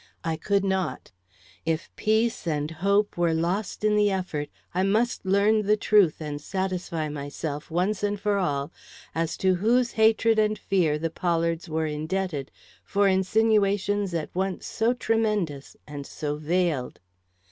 I could not. If peace and hope were lost in the effort, I must learn the truth and satisfy myself, once and for all, as to whose hatred and fear the Pollards were indebted for insinuations at once so tremendous and so veiled.